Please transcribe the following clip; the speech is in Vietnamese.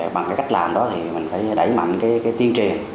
bằng cách làm đó mình phải đẩy mạnh tiên triền